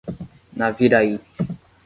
Naviraí